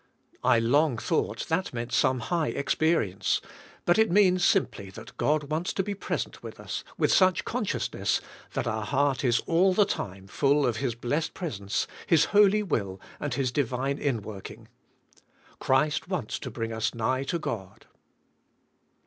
I long thought that meant some high experience, but it means simply that God wants to be present with us with such conscious ness that our heart is all the time full of His blessed presence, His holy will and His divine inworking. Christ wants to bring us nigh to God.